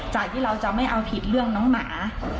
จากที่เราจะไม่เอาผิดเรื่องน้องหมา